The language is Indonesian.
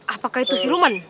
apakah itu siluman